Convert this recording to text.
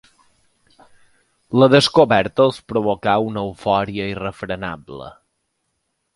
La descoberta els provoca una eufòria irrefrenable.